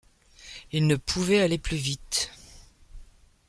Il ne pouvait aller plus vite. ..